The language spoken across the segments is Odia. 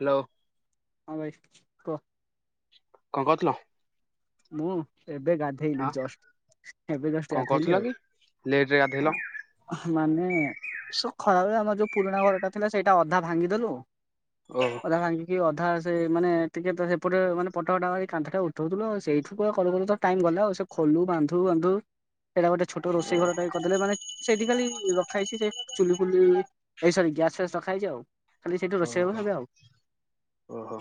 ହ୍ୟାଲୋ ହଁ ଭାଇ କ? କଣ କରୁଥିଲ? ମୁଁ ଏବେ ଗାଧେଇଲି ହଁ ଜଷ୍ଟ ଏବେ ଜଷ୍ଟ କଣ ଗାଧେଇଲି କରୁଥିଲ ଆଉ। କି? ଲେଟ ରେ ଗାଧେଇଲ ଆଁ ମାନେ ସୋ ଖରାବେଳେ ଆମର ଯୋଉ ପୁରୁଣା ଘରଟା ଥିଲା ସେଇଟା ଅଧା ଭାଙ୍ଗିଦେଲୁ ଓହୋ ଅଧା ଭାଙ୍ଗିକି ଅ ଅଧା ସେ ମାନେ ଟିକେ ତ ସେପଟେ ମାନେ ପଟ ଫଟା ମାରି କାନ୍ଥଟା ଉଠୋଉଥୁଲୁ ଆଉ ସେଇଠୁ ତ କରୁ କରୁ ତ ଟାଇମ ଗଲା ସେ ଖୋଲୁ ବାନ୍ଧୁ ବାନ୍ଧୁ ସେଇଟା ଗୋଟେ ଛୋଟ ରୋଷେଇ ଘରଟାଇ କରଦେଲେ ମାନେ ସେଇଠି ଖାଲି ରଖା ହେଇଛି ଯେ ଚୁଲି ଫୁଲି ଏଇ ସରି ଗ୍ୟାସ ଫ୍ୟାସ ରଖା ହେଇଚି ଆଉ। ସେଇଠି ତ ରୋଷେଇ ଘର ଓହୋ। ଭାବେ ଆଉ ଓହୋ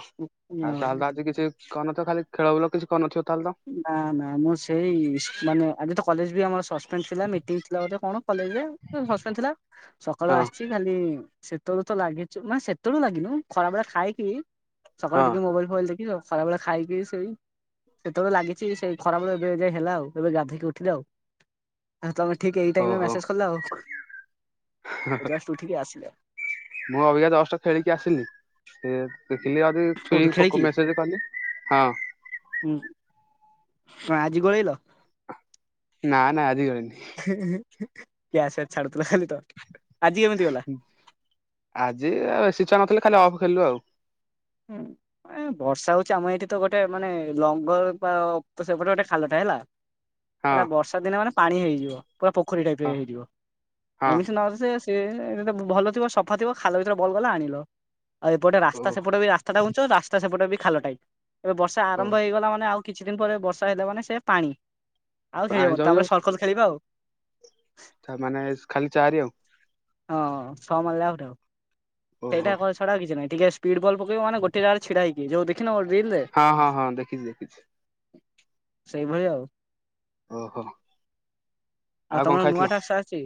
ଆଉ ତାହେଲେ ତ ଆଜି କିଛି କରି ନଥିବ ଖାଲି ଖେଳ ବୁଲ କିଛି କରିନଥିବ ତାହେଲେ ତ? ନା ନା ମୁଁ ସେଇ ମାନେ ଆଜି ତ କଲେଜ ବି ଆମର ସସପେଣ୍ଡ ଥିଲା ମିଟିଂ ଥିଲା ବୋଧେ କଣ। କଲେଜରେ ସସପେଣ୍ଡ ଥିଲା ସକାଳୁ ହଁ ଆସଛି ଖାଲି ସେତେବେଳୁ ତ ଲାଗିଚୁ ମାନେ ସେତେବେଳୁ ଲାଗିିନୁ ଖରାବେଳେ ଖାଇକି ସକାଳୁ ହଁ। ଟିକେ ମୋବାଇଲ ଫୋବାଇଲ ଦେଖିକି ଦଶ୍ ଖରାବେଳେ ଖାଇକି ଶୋଇ ସେତୋଳୁ ଲାଗିଚି ସେଇ ଖରାବେଳ ଏବେ ଯାଏ ହେଲା ଆଉ ଏବେ ଗାଧେଇକି ଉଠିଲେ ଆଉ ଆଉ ତମେ ଠିକ୍ ଏଇ ଟାଇମରେ ମ୍ୟାସେଜ୍ କଲ ଆଉ। ହ ହେ ଜଷ୍ଟ ଉଠିକି ଆସିଲେ ମୁଁ ଅବିକା ଜଷ୍ଟ ଖେଳିକି ଆସିଲି ସେ ଦେଖିଲି ଆଜି କୋଉଠୁ ଛୁଇ ପୋକ ଖେଳିକି ମେସେଜେ କଲି ହଁ। ହଁ ଆଜି ଗଳେଇଲ? ନା ନା ଆଜିି ଗଳିନି। ହେ ହେ ହେ କ୍ୟାସେ ଛାଡ ତାଲେ ଖାଲି ତଟ ଆଜି କେମିତି ଗଲା? ଚା ନଥିଲେ ଖାଲି ଅଫ୍ ଖେଳିଲୁ ଆଉ। ହୁଁ। ଏ ବର୍ଷା ହୋଉଚି ଆମ ଏଇଠି ତ ଗୋଟେ ମାନେ ଲଙ୍ଗଳପାଳ ତ ସେପଟେ ଗୋଟେ ଖାଲ ଥାଏ ହେଲା ଏଟା ହଁ। ବର୍ଷା ଦିନ ମାନେ ପାଣି ହେଇଯିବ। ପୁରା ପୋଖରୀ ଟାଇପର ହଁ ହେଇଥିବ ହଁ ଏମିତି ନ ହୋଉ ଯେ ସେସ୍ ସିଏ ଏଟା ବ ଭଲ ଥିବ ସଫା ଥିବ ଖାଲ ଭିତରେ ବଲ୍ ଗଲା ଆଣିଲ ଆଉ ଏପଟେ ଓ ରାସ୍ତା ସ୍ ସେପଟ ବି ରାସ୍ତାଟା ଘୁଞ୍ଚିବ ରାସ୍ତା ସେପଟେ ବି ଖାଲ ଟାଇପ୍ ଏବେ ବର୍ଷା ଓ ଆରମ୍ଭ ହେଇଗଲା ମାନେ ଆଉ କିଛି ଦିନ ପରେ ବର୍ଷା ହେଲା ମାନେ ସେ ପାଣି ଆଉ ପାଣି ଖେଳିହବନି ତାପରେ ସର୍କସ ଖେଳିବା ଆଉ। ତାମାନେ ଖାଲି ଚାରି ଆଉ। ହଁ ଛଅ ମାରଲେ ଆଉଟ ଆଉ ଓହୋ। ସେଇଟା କ ଛଡା ଆଉ କିଛି ନାଇଁ। ଟିକେ ସ୍ପିଡ ବଲ ପକେଇବ ମାନେ ଗୋଟିଏ ଜାଗାରେ ଛିଡା ହେଇକି ଯୋଉ ଦେଖିନ ୱା ହଁ ହଁ ହଁ ଦେଖିଚି ଦେଖିଚି। ସେଇଭଳିଆ ଆଉ। ଓହୋ। ଆଉ ଆଉ କଣ ତମର ନୂଆ ଖାଇଥିଲ ଟାସ୍କ ଆସିଛି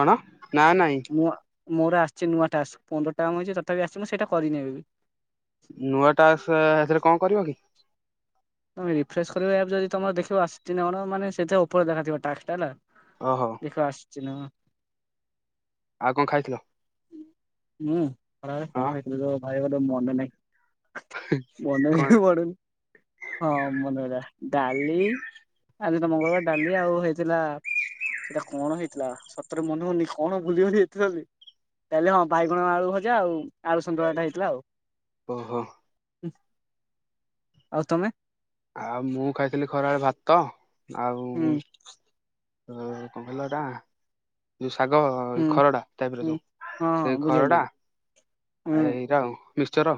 କଣ ନା ନାଇଁ। ନୂଆ ମୋର ଆସଚି ନୂଆ ଟାକ୍ସ ପନ୍ଦରଟା ମୁଁଇଚି ତଥାପି ଆସଚି ମୁଁ ସେଇଟା କରିନି ଏବେବି। ନୂଆ ଟାସ୍କ ହେଥିରେ କଣ କରିବ କି? ତମେ ରିଫ୍ରେସ କରିବ ଆପ୍ ଯଦି ତମର ଦେଖିବ ଆସଚି ନା କଣ ମାନେ ସେଥିରେ ଓପରେ ଦେଖାଯିବ ଟାକ୍ସଟା ହେଲା। ଓହୋ ଦେଖିବ ଆସୁଚି ନା କଣ। ଆଉ କଣ ଖାଇଥିଲ? ମୁଁ ଖରାବେଳେ କଣ ହଁ ଖାଇଥିଲି ତ ଭାଇ ମୋର ମନେ ନାଇ। ମନେ କଣ ହିଁ ପଡୁନି। ହଁ ମନେ ପଇଲା ଡାଲି ଆଜି ତ ମଙ୍ଗଳବାର ଡାଲି ଆଉ ହେଇଥିଲା ସେଇଟା କଣ ହେଇଥିଲା ସତରେ ମନେ ହୋଉନି କଣ ଭୁଲିଗଲି ଏତେ ଜଲଦି। ତାହେଲେ ହଁ ବାଇଗଣ ଆଳୁ ଭଜା ଆଉ ଆଳୁ ସନ୍ତୁଳାଟା ହେଇଥିଲା ଆଉ ଓହୋ ଉଁହ୍। ଆଉ ତମେ? ଆଉ ମୁଁ ଖାଇଥିଲି ଖରାବେଳେ ଭାତ ଆଉ ହୁଁ ଓ କଣ କହିଲ ଏଟା ଯୋଉ ଶାଗ ହୁଁ ଖରଡ଼ା ଟାଇପର ହୁଁ ଯୋଉ ହଁ ହଁ ସେଇ ବୁଝିପାଇଲି। ଖରଡ଼ା ହୁଁ ଏ ଏ ଏଇଟା ଆଉ। ମିକ୍ସଚର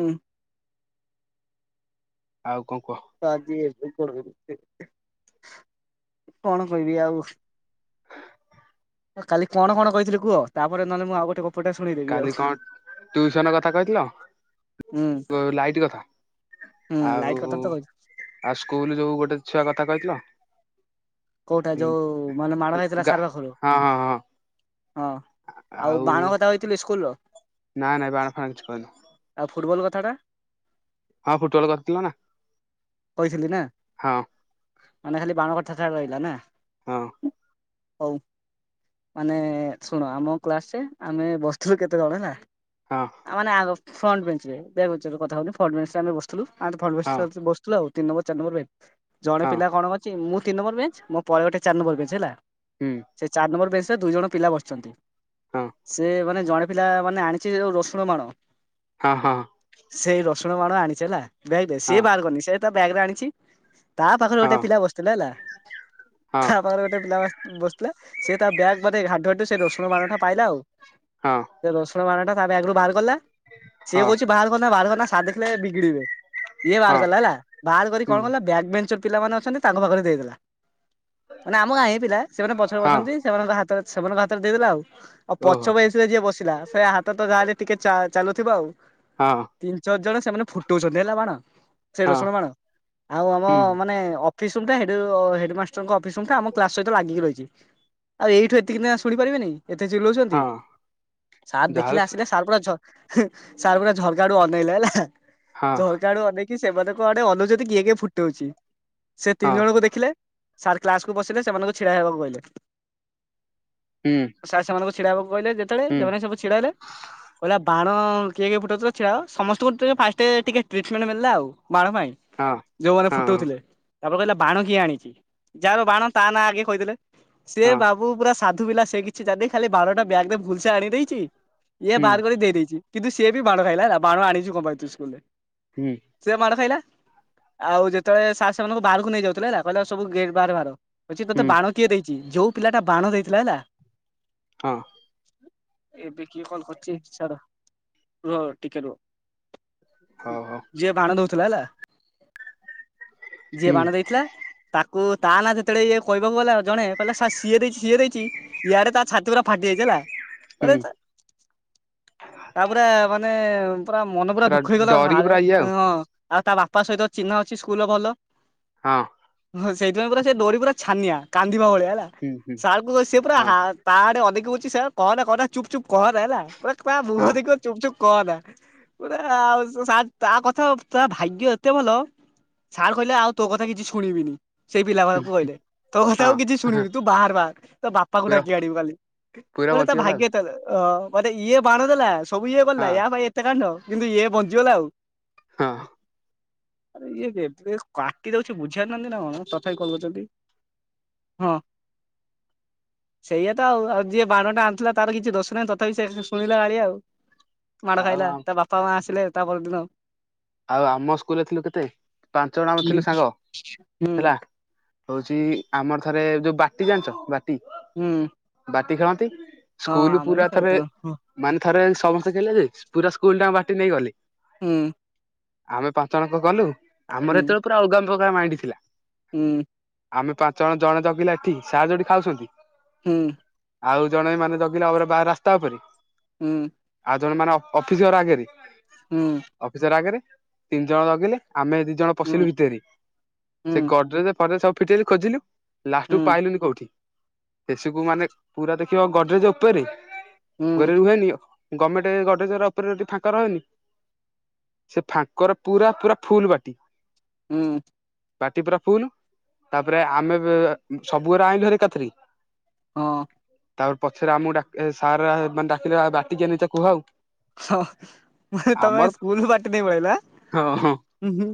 ଉଁ। ଆଉ। କଣ କୁହ? ତ ଆଜି [unintelligible] କଣ କହିବି ଆଉ? କାଲି କଣ କଣ କହିଥିଲି କୁହ, ତାପରେ ନହେଲେ ମୁଁ ଆଉ ଗୋଟେ ଗ କାଲି କଣ ଟ୍ୟୁସନ କଥା କହିଥିଲ, ହୁଁ ଉ ଲାଇଟ କଥା। ହୁଁ ଆଉ ଲାଇଟ୍ କଥା ତ କହିଛି ଆଉ ସ୍କୁଲ ଯୋଉ ଗୋଟେ ଛୁଆ କଥା କହିଥିଲ। କୋଉଟା ହଁ-ହଁ ଯୋଉ ମାନେ ମାଡ଼ ହେଇଥିଲା - ଗା ସାର୍ ପାଖରୁ -ହଁ। ହଁ ଆଉ ବାଣ କଥା ଏଇଥିଲି ସ୍କୁଲର? ନା ନା ବାଣ ଫାଣ କିଛି କହିନ। [unintelligible] ହଁ ଫୁଟବଲ କରିଥିଲ ନା। କହିଥେଲି ନା। ହଁ। ମାନେ ଖାଲି ବାଣ କଥା [unintelligible] ଆଇଲା ନା। ହଁ ହଉ ମାନେ ଶୁଣ ଆମ କ୍ଲାସରେ, ଆମେ ବସିଥିଲୁ କେତେ ଜଣ ହେଲା। ହଁ ଆ ମାନେ ଆଗ ଫ୍ରଣ୍ଟ ବେଞ୍ଚରେ ବ୍ୟାକ ବେଞ୍ଚର କଥା କହୁନି, ଫ୍ରଣ୍ଟ ବେଞ୍ଚରେ ଆମେ ବସିଥିଲୁ। ଆମେ ତ ଫ୍ରଣ୍ଟ ହଁ ବେଞ୍ଚରେ ବସିଥିଲୁ ଆଉ। ତିନ ନମ୍ବର ଚାରି ନମ୍ବର ବେଞ୍ଚ, ଜଣେ ହଁ ପିଲା କଣ କରିଛି ମୁଁ ତିନ ନମ୍ବର ବେଞ୍ଚ। ମୋ ପରେ ଗୋଟେ ଚାର ନମ୍ବର ବେଞ୍ଚ ହେଲା, ହୁଁ ସେ ଚାର ନମ୍ବର ବେଞ୍ଚରେ ଦୁଇ ଜଣ ପିଲା ବସିଛନ୍ତି। ହଁ ସେ ମାନେ ଜଣେ ପିଲା ମାନେ ଆଣିଛି ଯୋଉ ରସୁଣ ବାଣ। ହଁ ହଁ ସେଇ ରସୁଣ ବାଣ ଆଣିଛି ହେଲା, ବ୍ୟାଗ୍ ରେ ସିଏ ବାହାର କରିନି ସେ ତା ବ୍ୟାଗ ରେ ଆଣିଛି, ତା ପାଖରେ ହଁ ଗୋଟେ ପିଲା ବସିଥିଲା ହେଲା। ହଁ ତା ପାଖରେ ଗୋଟେ ପିଲା ବ ବସଥିଲା। ସେ ତା ବ୍ୟାଗ୍ ବୋଧେ ଘାଣ୍ଟୁ ଘାଣ୍ଟୁ, ସେ ରସୁଣ ବାଣଟା ପାଇଲା ଆଉ। ହଁ ସେ ରସୁଣ ବାଣଟା ତା ବ୍ୟାଗରୁ ବାହାର କଲା। ହଁ ସିଏ ହଁ କହୁଛି ବାହାର କରନା ବାହାର କରନା ସାର୍ ଦେଖିଲେ ବିଗିଡିବେ। ଇଏ ବାହାର ହଁ କଲା ହେଲା, ବାହାର କରି ହୁଁ କଣ କଲା ବ୍ୟାକ୍ ବେଞ୍ଚ ଞ୍ଚ ରେ ପିଲାମାନେ ଅଛନ୍ତି, ତାଙ୍କ ପାଖରେ ଦେଇଦେଲା। ମାନେ ଆମ ଗାଁ ପିଲା ସେମାନେ ପଛରେ ହଁ ବସନ୍ତି। ସେମାନଙ୍କ ହାତ ସେମାନଙ୍କ ହାତରେ ଦେଇଦେଲା ଆଉ। ଆଉ ପଛ ଓହୋ ବେଞ୍ଚରେ ଯିଏ ବସିଲା, ସେ ହାତ ତ ଯାହାଲେ ଟିକେ ଚା ଚାଲୁଥିବ ଆଉ। ହଁ ତିନ୍ ଚାରି ଜଣ ସେମାନେ ଫୁଟଉଛନ୍ତି, ହେଲା ବାଣ ସେ ହଁ ରସୁ ଣ ବାଣ ଆଉ ଆମ ହୁଁ ମାନେ ଅ ଫିସ ରୁମଟା ସେଇଟୁ ହେଡମାଷ୍ଟରଙ୍କ ଅଫିସ ରୁମଟା, ଆମ କ୍ଲାସ୍ ସହିତ ଲାଗିକି ରହିଛି। ଆଉ ଏଇଠୁ ଏତିକି, ନେଖା ଶୁଣିପାରିବେନି ଏତେ ଚିଲଉଛନ୍ତି। ହଁ ସାର୍ ଦେଖିଲେ ଯାହାହେଲେ ସେ ଆସିଲେ ସାର୍ ପୁରା ଝ ହ୍ ସାର୍ ପୁରା ଝରକା ଆଡକୁ ଅନେଇଲେ ହେଲା। ହଁ ଝରକା ଆଡୁ ଅନେଇକି ସେମାନେ ଙ୍କ ଆଡେ ଅନଉଚନ୍ତି କିଏ କିଏ ଫୁଟଉଛି? ସେ ତିନି ହଁ ଜଣଙ୍କୁ ଦେଖିଲେ। ସାର୍ କ୍ଲାସକୁୁ ପଶିଲେ, ସେମାନଙ୍କୁ ଛିଡା ହେବାକୁ କହିଲେ। ହୁଁ ସାର୍ ସେମାନଙ୍କୁ ଛିଡା ହେବାକ କହିଲେ ଯେତେବେଳେ, ହୁଁ ସେମାନେ ସବୁ ଛିଡା ହେଲେ। କହିଲା ବା ଣ କିଏ କିଏ ଫଟଉଥିଲ ଛିଡା ହୁଅ। ସମସ୍ତଙ୍କୁ ତ ଫାଷ୍ଟେ ଟିକେ ଟ୍ରିଟମେଣ୍ଟ ମଳିଲା ଆଉ। ବାଣ ପାଇଁ, ହଁ ଯୋଉମାନେ ହଁ ଫୁଟଉଥିଲେ। ତାପରେ କହିଲେ ବାଣ କିଏ ଆଣିଛି? ଯାହାର ବାଣ ତା ନାଁ ଆଗେ କହିଦେଲେ, ସେ ହଁ ବାବୁ ପୁରା ସାଧୁ ପିଲା ସେ କିଛି ଜାଣିନି, ଖାଲି ବାଣ ଟା ବ୍ୟାଗ୍ ରେ ଭୁଲସେ ଆଣି ଦେଇଛି। ଇଏ ହୁଁ ବାହାର କରି ଦେଇଦେଇଛି। କିନ୍ତୁ ସିଏ ବି ମାଡ ଖାଇଲା ହେଲା, ବାଣ ଆଣିଛୁ କଣ ପାଇଁ ତୁ ସ୍କୁଲରେ? ହୁଁ। ସେ ମାଡ଼ ଖାଇଲା। ଆଉ ଯେତେବେଳେ ସାର୍ ସେମାନଙ୍କୁ ବାହାରକୁ ନେଇ ଯାଉଥିଲେ ହେଲା, କହିଲେ ସବୁ ଗେଟ୍ ବାହାରେ ବାହାର। କହୁଛି ହୁଁ ତୋତେ ବାଣ କିଏ ଦେଇଛି? ଯୋଉ ପିଲାଟା ବାଣ ଦେଇଥିଲା ହେଲା। ହଁ। ଏବେ କିଏ କଲ କରୁଛି, ଛାଡ଼ ରୁହ ଟିକେ ରୁହ। ହଉ ହଉ। ଯିଏ ବାଣ ଦଉଥିଲା ହେଲା, ଯିଏ ହୁଁ ବାଣ ଦେଇଥିଲା ତା କୁ ତା ନାଁ ଯେତେବେଳେ ଇଏ କହିବାକୁ ଗଲା ଜଣେ, କହିଲା ସାର୍ ସିଏ ଦେଇଛି ସିଏ ଦେଇଛି। ଇଆଡେ ତା ଛାତି ପୁରା ଫାଟି ଯାଇଛି ହେଲା। ଅରେ ହୁଁ ତ ତାପରେ ମାନେ ପୁରା ମନ ପୁରା ଦୁଃଖ ହେଇଗଲା, ଆଳେ ଯିଏ ଆଉ ଆଉ ତା ବାପା ସହିତ ଚିହ୍ନା ଅଛି ସ୍କୁଲରେ ଭଲ। ହଁ। ହଁ ସେଇଥିପାଇଁ ପୁରା ସିଏ ଡରି ପୁରା ଛାନିଆ, କାନ୍ଦିବା ଭଳିଆ ହେଲା, ହଁ ହୁଁ ହୁଁ ସାରକୁ ସିଏ ପୁରା ହଁ ତା ଆଡେ ଅଧିକ କହୁଛି ସେୟା କହନା କହନା ଚୁପ ଚୁପ କହନା ହେଲା। ପୁରା ତା ହଁ ମୁହଁ ଦେଖିବ ଚୁପ ଚୁପ କହନା। ପୁରା ଆଉ ସାର୍ ତା କଥା, ଆଉ ତା ଭାଗ୍ୟ ଏତେ ଭଲ, ସାର୍ କହିଲେ ଆଉ ତୋ କଥା କିଛି ଶୁଣିବିନି। ସେଇ ପିଲାମାନକୁ କହିଲେ। ତୋ କଥା ହଁ ଆଉ କିଛି ଶୁଣିବିନି, ତୁ ବାହାରେ ବାହାରେ, ତୋ ବାପାକୁ ପୁରା ଡାକି ଆଣିବୁ କାଲି। ପୁରା ବୋଲେ ତା ବଞ୍ଚିଗଲା ଭାଗ୍ୟ ତା ଅ ମତେ ଇଏ ବାଣ ଦେଲା, ସବୁ ଇଏ କ, ଆଉ ୟା ଭାଇ ଏତେ କାଣ୍ଡ, କିନ୍ତୁ ଇଏ ବଞ୍ଚିଗଲା ଆଉ। ହଁ। ଆରେ ଇଏ କେବେ କାଟି ଦଉଛି ବୁଝିପାରୁନାହାଁନ୍ତି ନା କଣ, ତଥାପି କଲ୍ କରୁଛନ୍ତି। ହଁ। ସେଇଆ ତ ଆଉ। ଆଉ ଯିଏ ବାଣଟା ଆଣିଥିଲା, ତାର କିଛି ଦୋଷ ନାହିଁ ତଥାପି ସେ ଶୁଣିଲା ଗାଳି ଆଉ। ମାଡ ଆଉ ଖାଇଲା, ଆମ- ତା ବାପା ମା ଆସିଲେ ତା ପରଦିନ। ଆଉ ଆମ ସ୍କୁଲରେ ଥିଲୁ କେତେ? ପାଞ୍ଚ ଜଣ ଆମ ଥିଲୁ ସାଙ୍ଗ ହୁଁ ହେଲା, ହଉଛି ଆମର ଥରେ ଯୋଉ ବାଟି ଜାଣିଛ ବାଟି? ହୁଁ। ବାଟି ଖେଳନ୍ତି, ହଁ ସ୍କୁଲ ଆମେ ବି ପୁରା ଥରେ ଖେଳୁଥିଲୁ ମାନେ ଥରେ ସମସ୍ତେ ଖେଳିଲେ ଯେ ପୁରା ସ୍କୁଲଟା ଯାଙ୍କ ବାଟି ନେଇଗଲି ହୁଁ। ଆମେ ପାଞ୍ଚ ଜଣଙ୍କ ଗଲୁ, ହୁଁ ଆମର ଯେତେବେଳେ ପୁରା ଅଲଗା ପ୍ରକାର ମାଇଣ୍ଡି ଥିଲା ହୁଁ। ଆମେ ପାଞ୍ଚ ଜଣ, ଜଣେ ଜଗିଲା ଏଠି, ସାର୍ ଯୋଉଠି ଖାଉସନ୍ତି ହୁଁ। ଆଉ ଜଣେ ମାନେ ଜଗିଲା ଆର ବା ରାସ୍ତା ଉପରେ ହୁଁ। ଆଉ ଜଣେ ମାନେ ଅ-ଅଫିସ ଘର ଆଗେରେ। ହୁଁ। ର ଆଗେରେ, ତିନି ଜଣ ଜଗିଲେ, ଆମେ ଦି ଜଣ ହୁଁ ହୁଁ ପଶିଲୁ ଭିତେରେ। ସେ ହୁଁ। ଗଡ୍ରେଜ୍ ଫଡ୍ରେଜ୍ ସବୁ ଫିଟେଇଲୁ ଖୋଜିଲୁ, ଲାଷ୍ଟକୁୁ ହୁଁ ପାଇଲୁନି କୋଉଠି ଶେଷକୁୁ ମାନେ ପୁରା ଦେଖିବ ଗଡରେଜ ଓପେରେ। ହୁଁ ଘରେ ରୁହେନି ଗମେଣ୍ଟ ଗଡ୍ରେଜ୍ ଗୁରା ଉପରେ ଟିକେ ଫାଙ୍କ ରହେନି ସେ ଫାଙ୍କରେ ପୁରା ପୁରା ଫୁଲ ବାଟି ହୁଁ। ବାଟି ପୁରା ଫୁଲ, ତାପରେ ଆମେ ବେ-ବେ ସବୁ ଗୁରା ଆଇଁଲୁ ହେରା ଏକାଥରେ ହଁ ତାପରେ ପଛରେ ଆମକୁ ଡ଼ାକି ସାର ମାନେ ଡାକିଲେ, ଆଉ ବାଟି କିଏ ନେଇଚ କୁହ ଆଉ? ହଁ, ମୁଁ କହିଲି ତମେ ଆମର ସ୍କୁଲ ବାଟି ନେଇ ପଳେଇ ଆଇଲ ହଁ ହଁ ଆଁ?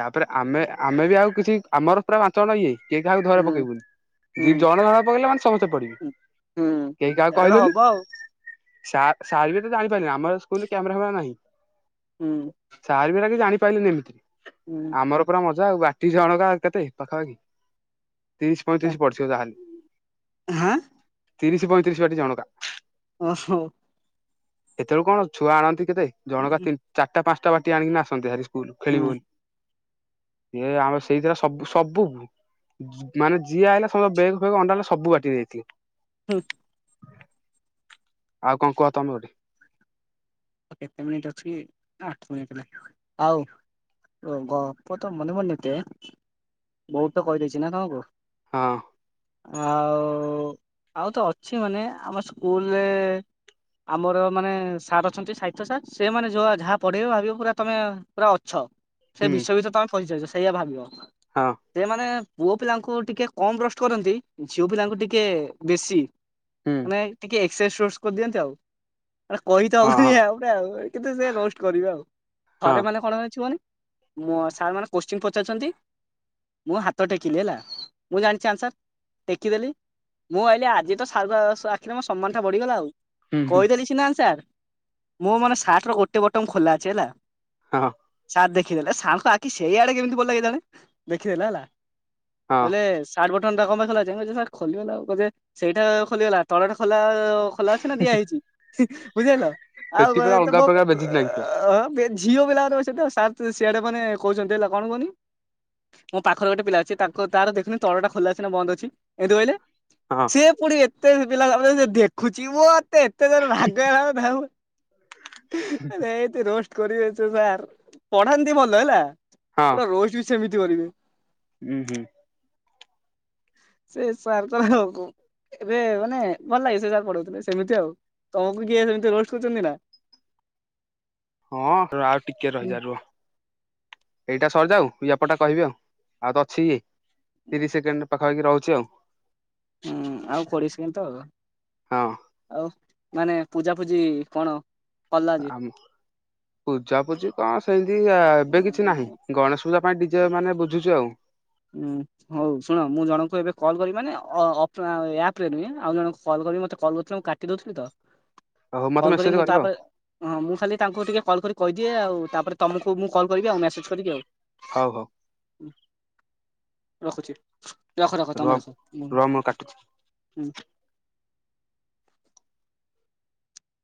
ତାପରେ ଆମେ ଆମେ ବି ଆଉ କିଛି ଆମର ପୁରା ପାଞ୍ଚ ଜଣ ଇଏ, କିଏ କାହାକୁ ଧରା ହୁଁ ପକେଇବୁନି। ହୁଁ ଯିଏ ଜଣେ ଧରା ପକେଇଲେ ମାନେ, ସମସ୍ତେ ପଡିବୁ। ହୁଁ ହୁଁ ହୁଁ କେହି କାହାକୁ ସେଇଟା ତ କହିଲୁନୁ ହବ ଆଉ ସାର୍ ସାର୍ ବି ତ ଜାଣିପାଇଲେନି। ଆମର ସ୍କୁଲ କ୍ୟାମେରା ଫ୍ୟାମେରା ନାହିଁ। ହୁଁ ସାର ବି ହେଇରା କି ଜାଣି ପାଇଲେନି ଏମିତି। ହୁଁ ଆମର ପୁରା ମଜା ଆଉ, ବାଟି ଜଣକା କେତେ ପାଖାପାଖି ତିରିଶ ପଇଁତିରିଶ ପଡିଥିବ ଯାହାହେଲେ, ହାଁ ତିରିଶ ପଇଁତିରିଶ ବାଟି ଜଣକା। ଓହୋ। ସେତବେଳକୁ କଣ ଛୁଆ ଆଣନ୍ତି କେତେ, ଜଣକା ଚାରିଟା ପାଞ୍ଚଟା ବାଟି ଆଣିକି ଆସନ୍ତି ହାରି। ସ୍କୁଲ୍ ହୁଁ ଖେଳିବୁ ବୋଲି। ଏ ଆମର ସେଇଦିନ ସବ-ସବୁ ମାନେ ଯିଏ ଆଇଲା ସବୁ ଯାକ ବେଗ ଫେଗ ଅଣ୍ଡାଳିଲୁ, ସବୁ ବାଟି ଦେଇଥିଲି। ହୁଁ। ଆଉ କଣ କୁହ ତମେ ଗୋଟେ? କେତେ ମିନିଟ୍ ଅଛି ଆଠ ମିନିଟ୍ ଆଉ? ଓ ଗପ ତ ମନେ ମନତେ ବହୁତ ତ କହିଦେଇଛି ନା ତମକୁ? ହଁ। ଆଉ ଆଉ ତ ଅଛି ମାନେ ଆମ ସ୍କୁଲରେ ଆମର ମାନେ ସାର ଅଛନ୍ତି ସାହିତ୍ୟ ସାର୍ ସେମାନେ ଯାହା ପଢେଇବେ ଭାବିବେ ପୁରା ତମେ ପୁରା ଅଛ। ସେ ହୁଁ ବିଶ୍ୱବିଷ ତାଙ୍କ ପରିଚୟ ସେଇଆ ଭାବିବ ହଁ ସେମାନେ ପୁଅ ପିଲାଙ୍କୁ ଟିକେ କମ୍ ରୋଷ୍ଟ କରନ୍ତି ଝିଅ ପିଲାଙ୍କୁ ଟିକେ ବେଶୀ। ହୁଁ ମାନେ ଟିକେ ଏକ୍ସ କରିଦିଅନ୍ତି ଆଉ କ ହଁ ଆଉ ଗୋଟେ ହଁ ଆଉ କିନ୍ତୁ ସେ ରୋଷ୍ଟ କରିବେ ଆଉ ହଁ ଥରେ ମାନେ କଣ ହେଇଛି କୁହନି ମୋ ସାର୍ ମାନେ କୋଚିଂନ୍ ପଚାରୁଛନ୍ତି। ମୁଁ ହାତ ଟେକିଲି ହେଲା ମୁଁ ଜାଣିଛି ଆନସାର ଟେକିଦେଲି। ମୁଁ ଭାବିଲି ଆଜି ତ ସାର୍ ଆଖିରେ ମୋ ସମ୍ମାନ ଟା ବଢିଗଲା ଆଉ ହୁଁ ହୁଁ କହିଦେଲି ସିନା ଆନସାର ମୁଁ ମୋର ସାର୍ଟ ର ଗୋଟେ ବଟମ ଖୋଲା ଅଛି ହେଲା। ହଁ। ସାର ଦେଖିଦେଲେ ସାରଙ୍କ ଆଖି ସେଇ ଆଡେ କେମିତି ପଡ଼ିଲା କେଜାଣି ଦେଖିଦେଲେ ହେଲା। ହଁ କହିଲେ ସାଟ ବ ବଟମ ଟା କଣ ପାଇଁ ଖୋଲା ଅଛି ମୁଁ କହିଲି ସାର୍ ଖୋଲିଗଲା ଆଉ କହିଲେ ସେଇଟା ଖୋଲିଗଲା ତଳଟା ଖୋଲା ଖୋଲା ଅଛି ନା ଦିଆ ହେଇଛି ବୁଝିିଲ ଆଉ ସେଠି ପୁରା ଅଲଗା ପ୍ରକାର ବେଜିତ୍ ନାଗିଥିବ ଝିଅ ପିଲା ବେଶିତ ସାର୍ ସିଆଡେ ମାନେ କହୁଛନ୍ତି ହେଲା କଣ କୁହନି ମୋ ପାଖରେ ଗୋଟେ ପିଲା ଅଛି ତା ତାର ଦେଖେନି ତଳଟା ଖୋଲା ଅଛି ନା ବନ୍ଦ ଅଛି ଏମିତି କହିଲେ। ହଁ ସିଏ ପୁଣି ଏତେ ପିଲା ସାମନାରେ ଦେଖୁଛି ମୋତେ ଏତେ ଜୋରରେ ରାଗଲା ରୋଷ୍ଟ କରିବେ ସାର୍ ପଢାନ୍ତି ଭଲ ହେଲା। ହଁ ପୁରା ରୋଷ୍ଟ ବି ସେମିତି କରିବେ। ଉଁ ହୁଁ। ସେ ସାର ତ ଆଉ ଏବେ ମାନେ ଭଲ ଲାଗେ ସେ ସାର ପଢଉଥିଲେ ସେମିତି ଆଉ। ତମକୁ କିଏ ସେମିତି ରୋଷ୍ଟ କରିଛନ୍ତି ନା? ହଁ ଆଉ ଟିକେ ହୁଁ ରହିଯା ରୁହ। ଏଇଟା ସରିଯାଉ ଇୟାପରଟା କହିବି ଆଉ ଆଉ ତ ଅଛି ଇଏ ତିରିଶ ସେକେଣ୍ଡ। ପାଖାପାଖି ରହୁଛି ଆଉ। ହୁଁ ଆଉ କୋଡିଏ ସେକେଣ୍ଡ ତ ହଁ ଆଉ ମାନେ ପୂଜା ଫୂଜି କଣ? କଲା ଯେ ଆମ ପୂଜା ପୂଜି କଣ ସେମିତି ଏବେ କିଛି ନାହିଁ ଗଣେଶ ପୂଜା ପାଇଁ ଡିଜେ ମାନେ ବୁଝୁଛୁ ଆଉ। ହଁ ହଉ ଶୁଣ ମୁଁ ଜଣଙ୍କୁ ଏବେ କଲ୍ କରିବି ମାନେ ଆପ ରେ ନୁହେଁ ଆଉ ଜଣ କଲ୍ କରିବି ମତେ କଲ କରିଥିଲେ ମୁଁ କାଟି ଦଉଥିଲି ତ। ହଉ ମତେ କଲ୍ କରି ମେସେଜ ମୁଁ କରିବ ଆଉ ତାପରେ ହଁ ମୁଁ ଖାଲି ତାଙ୍କୁ ଟିକେ କଲ୍ କରି କହିଦିଏ ଦିଏ ଆଉ ତାପରେ ତମକୁ ମୁଁ କଲ କରିବି ଆଉ ମେସେଜ କରିକି ଆଉ। ହଉ ହଉ। ରଖୁଛି। ରଖ ରଖ ରୁହ ତମେ ରଖ ରୁହ ମୁଁ କାଟୁଛି। ହୁଁ।